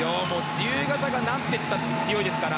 自由形が何ていったって強いですから。